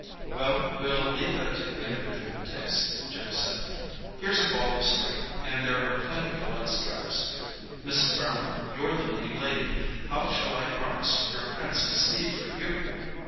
"Well, we'll leave that to individual taste," Jim said. "Here's a ball of string, and there are plenty of light straps. Mrs. Brown—you're the leading lady. How shall I harness your prancing steed for you?"